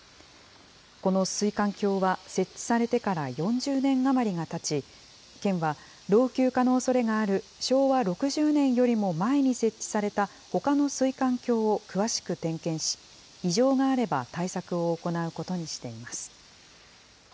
この水管橋は設置されてから４０年余りがたち、県は老朽化のおそれがある昭和６０年よりも前に設置されたほかの水管橋を詳しく点検し、異常があれば対策を行うことにしています。